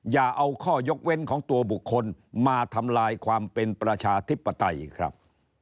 อย่าเอาข้อยกเว้นของตัวบุคคลมาทำลายความเป็นประชาธิปไตยครับ